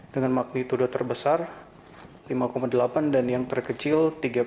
dengan magnitudo terbesar lima delapan dan yang terkecil tiga puluh satu